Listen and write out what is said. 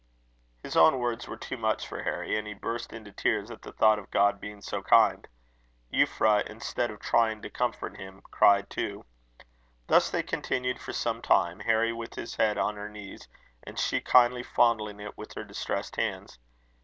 '" His own words were too much for Harry, and he burst into tears at the thought of God being so kind. Euphra, instead of trying to comfort him, cried too. Thus they continued for some time, Harry with his head on her knees, and she kindly fondling it with her distressed hands.